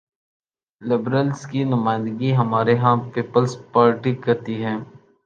Liberals کی نمائندگی ہمارے ہاں پیپلز پارٹی کرتی ہے۔